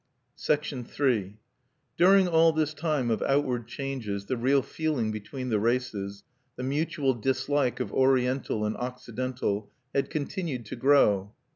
(1) See Japan Mail, July 21, 1895. III During all this time of outward changes the real feeling between the races the mutual dislike of Oriental and Occidental had continued to grow.